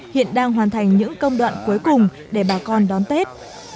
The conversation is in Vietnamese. hiện đang hoàn thành những công đoạn cuối cùng để bà con đón tết